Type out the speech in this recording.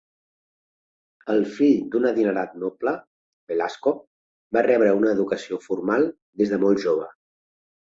El fill d'un adinerat noble, Velasco, va rebre una educació formal des de molt jove.